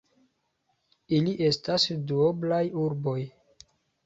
Ili estas duoblaj urboj.